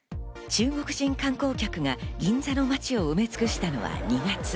中国人観光客が銀座の街を埋め尽くしたのは２月。